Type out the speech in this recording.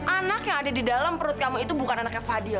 anak yang ada di dalam perut kamu itu bukan anaknya fadil